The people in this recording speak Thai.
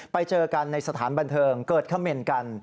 ไปเจอกันในสถานบันเทิงเกิดเขม่นกัน